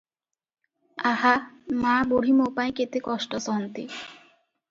ଆହା ମାବୁଢ଼ୀ ମୋପାଇଁ କେତେ କଷ୍ଟ ସହନ୍ତି!"